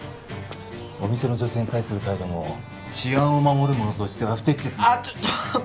お店の女性に対する態度も治安を守る者としては不適切あっちょっちょっ